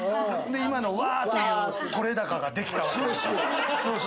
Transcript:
今の、わ！という、撮れ高ができたわけよ。